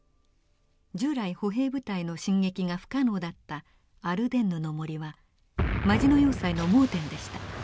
従来歩兵部隊の進撃が不可能だったアルデンヌの森はマジノ要塞の盲点でした。